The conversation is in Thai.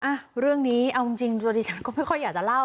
อ่ะเรื่องนี้เอาจริงตัวดิฉันก็ไม่ค่อยอยากจะเล่า